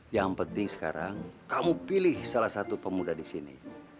yang penting sekarang kamu pilih salah satu pemuda di sini